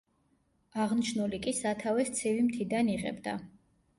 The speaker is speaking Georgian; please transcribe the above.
აღნიშნული კი სათავეს ცივი მთიდან იღებდა.